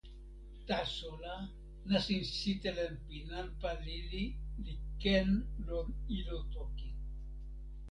taso la, nasin sitelen pi nanpa lili li ken lon ilo toki.